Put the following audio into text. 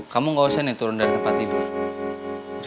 kamu gak usah nih turun dari tempat tidur